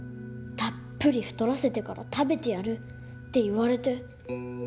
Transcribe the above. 「たっぷり太らせてから食べてやる」って言われて。